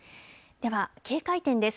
では、警戒点です。